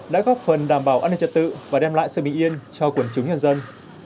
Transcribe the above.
đã góp phần đảm bảo an ninh trật tự và đem lại sự bình yên cho quần chúng nhân dân